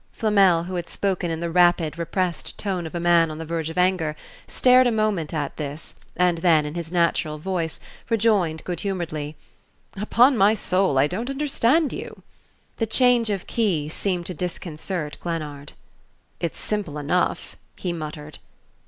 Flamel, who had spoken in the rapid repressed tone of a man on the verge of anger, stared a moment at this and then, in his natural voice, rejoined, good humoredly, "Upon my soul, I don't understand you!" The change of key seemed to disconcert Glennard. "It's simple enough " he muttered.